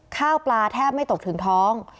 ข้าวปลาแทบไม่ตกถึงท้อง